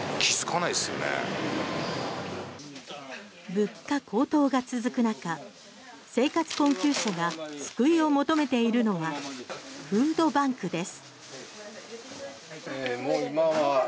物価高騰が続く中生活困窮者が救いを求めているのはフードバンクです。